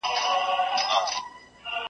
تازه مېوې ویټامینونه لري.